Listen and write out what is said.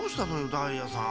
ダイヤさん。